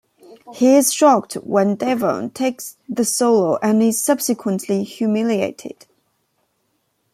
He is shocked when Devon takes the solo and is subsequently humiliated.